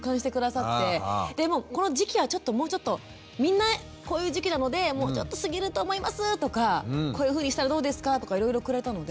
でもうこの時期はちょっともうちょっとみんなこういう時期なのでもうちょっと過ぎると思いますとかこういうふうにしたらどうですか？とかいろいろくれたので。